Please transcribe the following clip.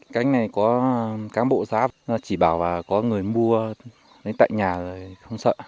cánh này có cán bộ giá chỉ bảo là có người mua đến tại nhà rồi không sợ